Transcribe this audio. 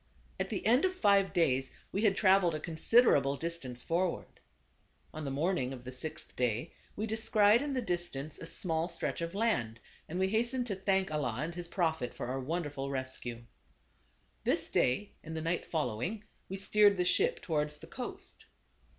At the end of five days we had traveled a considerable distance forward. On the morning of the sixth day we descried in the distance a small stretch of land, and we hastened to thank Allah and his Prophet for our wonderful rescue. This day and the night fol lowing, we steered the ship towards the coast.